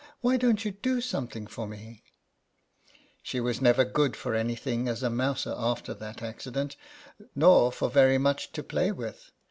Why don't you do something for me ?" She was never good for any thing as a mouser after that accident, nor for very much to play with.